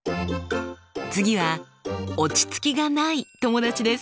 次は落ち着きがない友達です。